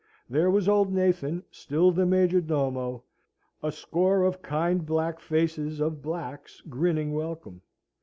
There was old Nathan, still the major domo, a score of kind black faces of blacks, grinning welcome.